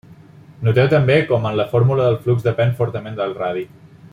Noteu també com en la fórmula el flux depèn fortament del radi.